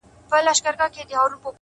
هغې ليونۍ بيا د غاړي هار مات کړی دی ـ